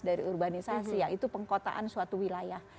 dari urbanisasi yaitu pengkotaan suatu wilayah